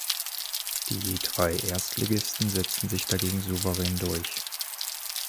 Die drei Erstligisten setzten sich dagegen souverän durch.